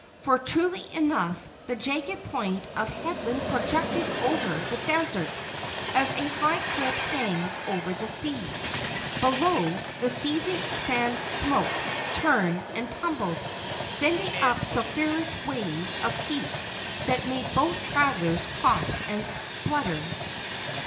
For, truly enough, the jagged point of Headland projected over the desert as a high cliff hangs over the sea. Below, the seething sand smoked, churned and tumbled, sending up sulphurous waves of heat that made both travelers cough and splutter.